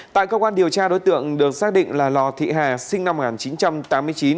tại cơ quan điều tra đối tượng được xác định là lò thị hà sinh năm một nghìn chín trăm tám mươi chín